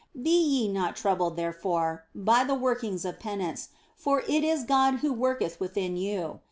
Be ye not troubled, therefore, by the workings of penitence, for it is God who worketh within you.